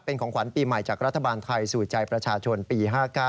เป็นของขวัญปีใหม่จากรัฐบาลไทยสู่ใจประชาชนปี๕๙